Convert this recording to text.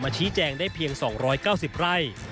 ชี้แจงได้เพียง๒๙๐ไร่